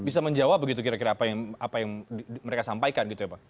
bisa menjawab begitu kira kira apa yang mereka sampaikan gitu ya pak